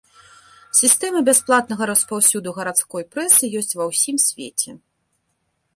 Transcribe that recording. Сістэма бясплатнага распаўсюду гарадской прэсы ёсць ва ўсім свеце.